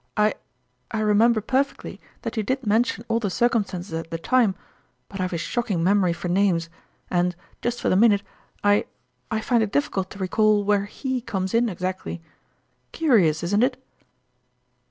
" I I remember perfectly that you did mention all tlie circumstances at the time; but I've a shocking memory for names, and, just for the minute, I I find it difficult to recall where ' he ' comes in exactly. Curious, isn't it